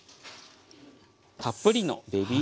たっぷりのベビーリーフ。